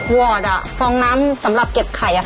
วอร์ดฟองน้ำสำหรับเก็บไข่